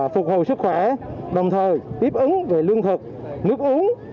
phục hồi sức khỏe đồng thời tiếp ứng về lương thực nước uống